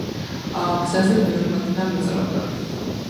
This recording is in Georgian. გზაზე ბევრი მანქანა მოძრაობდა.